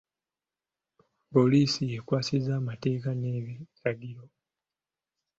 Poliisi ekwasisa amateeka n'ebiragiro.